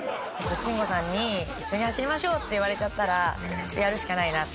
慎吾さんに「一緒に走りましょう！」って言われちゃったらやるしかないなって。